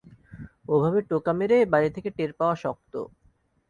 ওভাবে টোকা মেরে বাইরে থেকে টের পাওয়া শক্ত।